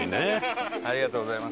ありがとうございます。